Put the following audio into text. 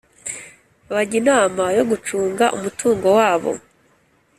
bajya inama yo gucunga umutungo wabo